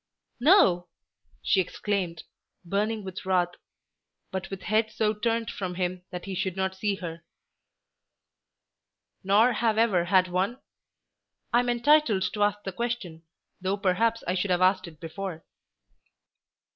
"No," she exclaimed, burning with wrath but with head so turned from him that he should not see her. "Nor have ever had one? I am entitled to ask the question, though perhaps I should have asked it before."